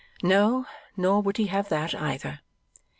No; nor would he have that, either.